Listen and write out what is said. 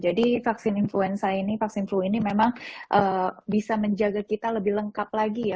vaksin influenza ini vaksin flu ini memang bisa menjaga kita lebih lengkap lagi ya